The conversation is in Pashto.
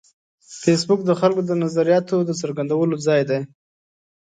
فېسبوک د خلکو د نظریاتو د څرګندولو ځای دی